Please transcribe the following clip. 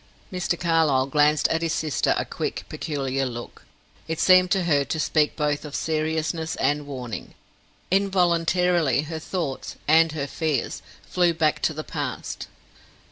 Mr. Carlyle glanced at his sister a quick, peculiar look; it seemed to her to speak both of seriousness and warning. Involuntarily her thoughts and her fears flew back to the past.